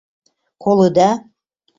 Колыда?